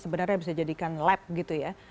sebenarnya bisa jadikan lab gitu ya